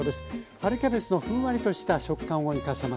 春キャベツのふんわりとした食感を生かせます。